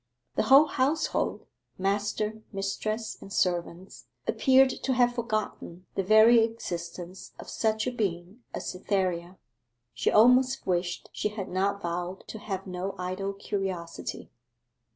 The whole household master, mistress, and servants appeared to have forgotten the very existence of such a being as Cytherea. She almost wished she had not vowed to have no idle curiosity.